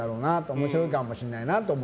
面白いかもしれないなって。